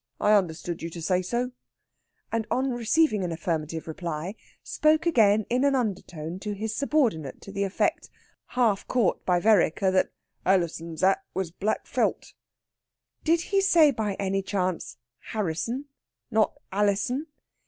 I understood you to say so;" and on receiving an affirmative reply, spoke again in an undertone to his subordinate to the effect, half caught by Vereker, that "Alison's hat was black felt." Did he say by any chance Harrisson, not Alison?